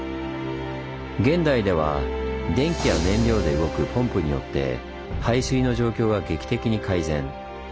現代では電気や燃料で動くポンプによって排水の状況が劇的に改善。